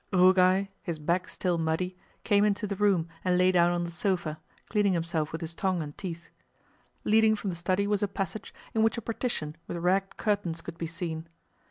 Rugáy, his back still muddy, came into the room and lay down on the sofa, cleaning himself with his tongue and teeth. Leading from the study was a passage in which a partition with ragged curtains could be seen.